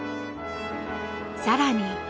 更に。